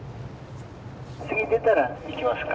「次出たら行きますか」。